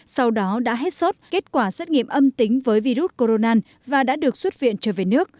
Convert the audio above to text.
sau đó đã hết sốt kết quả xét nghiệm âm tính với virus corona và đã được xuất viện trở về nước